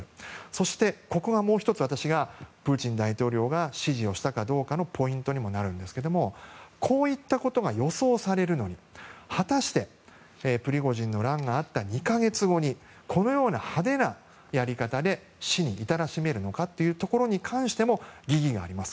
そして、ここがもう１つプーチン大統領が指示をしたかどうかのポイントにもなるんですけどこういったことが予想されるのに果たしてプリゴジンの乱があった２か月後にこのような派手なやり方で死に至らしめるのかにも疑義があります。